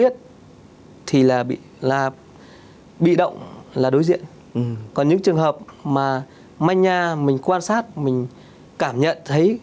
thì là bị động là đối diện còn những trường hợp mà manh nha mình quan sát mình cảm nhận thấy